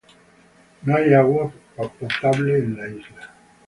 No hay agua potable en la isla.